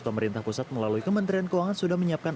pemerintah pusat melalui kementerian keuangan sudah menyiapkan